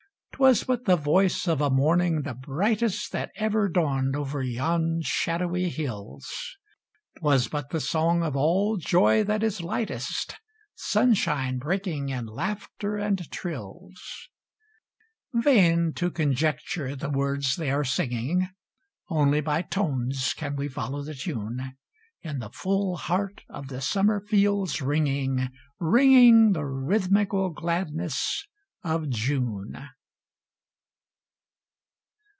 'Twas but the voice of a morning the brightest That ever dawned over yon shadowy hills; 'Twas but the song of all joy that is lightest, Sunshine breaking in laughter and trills. Vain to conjecture the words they are singing; Only by tones can we follow the tune In the full heart of the summer fields ringing, Ringing the rhythmical gladness of June!